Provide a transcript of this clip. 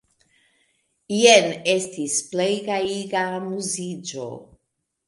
Jen estis plej gajiga amuziĝo!